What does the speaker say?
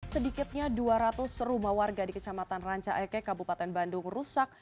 sedikitnya dua ratus rumah warga di kecamatan ranca eke kabupaten bandung rusak